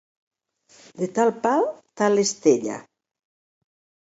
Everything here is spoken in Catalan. de tal pal tal estella